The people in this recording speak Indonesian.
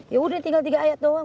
yaudah tinggal tiga ayat doang